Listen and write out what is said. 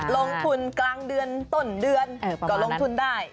ลงทุนกลางเดือนต้นเดือนก็ลงทุนได้